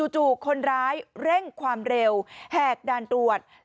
จู่คนร้ายเร่งความเร็วแหกด่านตรวจ